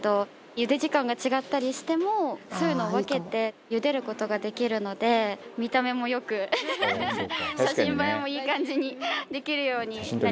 茹で時間が違ったりしてもそういうのを分けて茹でる事ができるので見た目も良く写真映えもいい感じにできるようになりました。